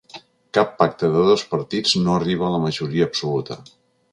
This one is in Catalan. Cap pacte de dos partits no arriba a la majoria absoluta.